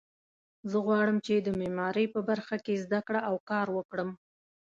زه غواړم چې د معماري په برخه کې زده کړه او کار وکړم